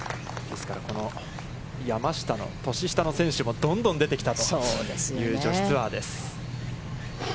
ですから、この山下の年下の選手もどんどん出てきたという女子ツアーです。